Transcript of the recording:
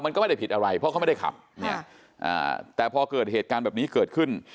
มันก็ไม่ได้ผิดอะไรเพราะเขาไม่ได้ขับเนี่ยแต่พอเกิดเหตุการณ์แบบนี้เกิดขึ้น